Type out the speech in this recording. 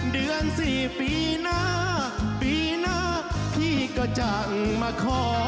เดือน๔ปีหน้าปีหน้าพี่ก็จังมาขอ